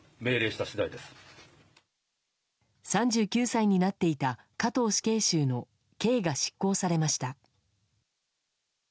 ３９歳になっていた加藤死刑囚の刑が執行されました。